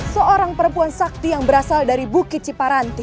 seorang perempuan sakti yang berasal dari bukit ciparanti